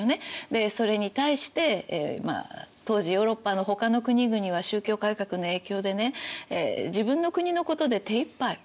でそれに対して当時ヨーロッパのほかの国々は宗教改革の影響でね自分の国のことで手いっぱい。